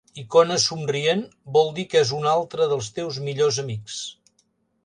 Icona somrient: vol dir que és un altre dels teus millors amics.